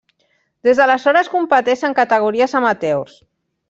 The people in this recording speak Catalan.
Des d'aleshores competeix en categories amateurs.